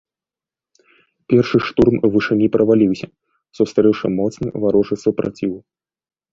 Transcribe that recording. Першы штурм вышыні праваліўся, сустрэўшы моцны варожы супраціў.